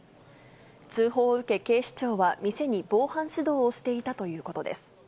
通報を受け、警視庁は店に防犯指導をしていたということです。